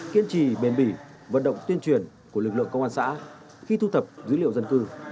kiên trì bền bỉ vận động tuyên truyền của lực lượng công an xã khi thu thập dữ liệu dân cư